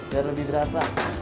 biar lebih berasa